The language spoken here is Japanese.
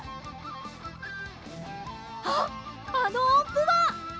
あっあのおんぷは！